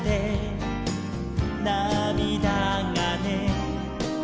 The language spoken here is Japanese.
「なみだがね」